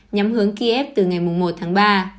nhắm hướng kiev từ ngày một tháng ba